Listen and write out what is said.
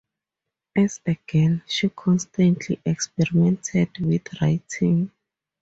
As a girl, she constantly experimented with writing.